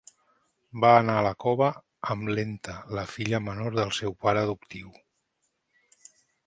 Va anar a la cova amb Lenta, la filla menor del seu pare adoptiu.